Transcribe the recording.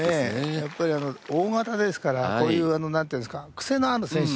やっぱり大型ですからこういうなんていうんですか癖のある選手。